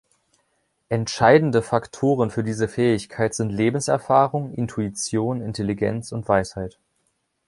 Entscheidende Faktoren für diese Fähigkeit sind Lebenserfahrung, Intuition, Intelligenz und Weisheit.